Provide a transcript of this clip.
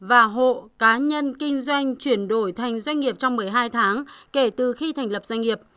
và hộ cá nhân kinh doanh chuyển đổi thành doanh nghiệp trong một mươi hai tháng kể từ khi thành lập doanh nghiệp